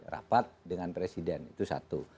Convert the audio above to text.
rapat dengan presiden itu satu